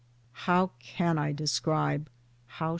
How can I describe, how.